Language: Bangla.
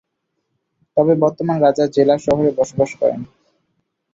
তবে বর্তমান রাজা জেলা শহরে বসবাস করেন।